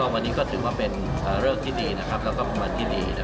วันนี้ก็ถึงว่าเป็นเริ่มที่ดีแล้วก็ประมาณที่ดี